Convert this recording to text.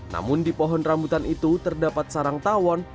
namun di pohon rambutan itu terdapat sarang tawon